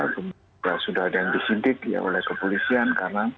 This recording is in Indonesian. kemudian sudah ada yang disidik oleh kepolisian karena